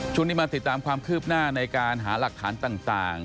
ช่วงนี้มาติดตามความคืบหน้าในการหาหลักฐานต่าง